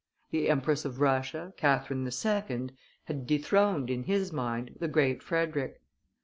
The Empress of Russia, Catherine II., had dethroned, in his mind, the Great Frederick.